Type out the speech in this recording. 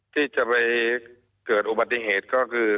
ที่จะไปเกิดอุบัติเหตุก็คือ